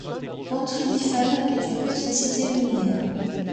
Pontrhydyfen est une petite cité minière.